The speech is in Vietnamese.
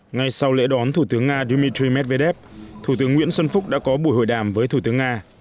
ngay sau lễ đón thủ tướng nga dmitry medvedev thủ tướng nguyễn xuân phúc đã có buổi hội đàm với thủ tướng nga